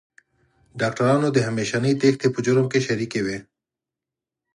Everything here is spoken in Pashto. ډاکټرانو د همېشنۍ تېښتې په جرم کې شریکې وې.